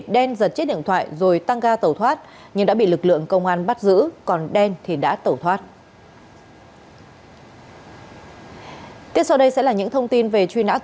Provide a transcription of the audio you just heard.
đen giật chiếc điện thoại rồi tăng ga tẩu thoát nhưng đã bị lực lượng công an bắt giữ còn đen thì đã tẩu thoát